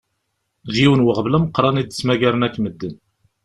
D yiwen uɣbel ameqqran i d-ttmagaren akk meden.